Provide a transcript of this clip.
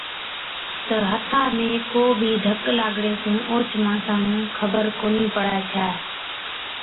تہ هٿا ۾ ڪو بِي ڌڪ لاگڻي سُون اوهچ ماڻسا نُون خبر ڪونهِي پڙَي ڇَي۔